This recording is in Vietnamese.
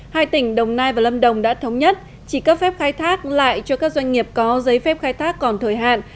hai tỉnh đồng nai và lâm đồng đã thống nhất chỉ cấp phép khai thác lại cho các doanh nghiệp có giấy phép khai thác còn thời hạn